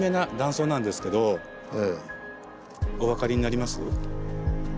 これお分かりになります？